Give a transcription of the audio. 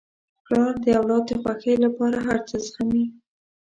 پلار د اولاد د خوښۍ لپاره هر څه زغمي.